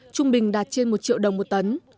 trung bình đạt trên một triệu đồng một tấn